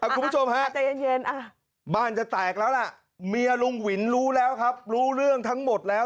คุณผู้ชมฮะใจเย็นบ้านจะแตกแล้วล่ะเมียลุงหวินรู้แล้วครับรู้เรื่องทั้งหมดแล้ว